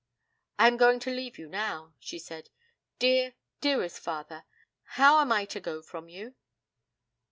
'I am going to leave you now,' she said. 'Dear, dearest father, how am I to go from you?'